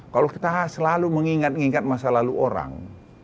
kalau kita selalu mengingat ingat masa lalu orang